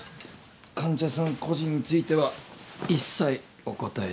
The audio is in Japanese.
患者さん個人については一切お答えできません。